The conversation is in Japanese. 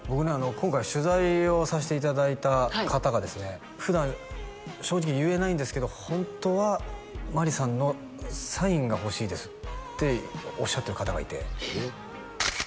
今回取材をさせていただいた方がですね普段正直言えないんですけどホントはマリさんのサインが欲しいですっておっしゃってる方がいてえっ？